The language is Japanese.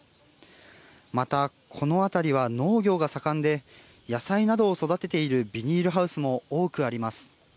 また、このあたりは農業が盛んで、野菜などを育てているビニールハウスも多くあります。